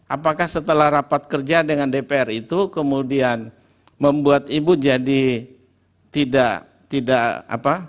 apakah setelah rapat kerja dengan dpr itu kemudian membuat ibu jadi tidak tidak apa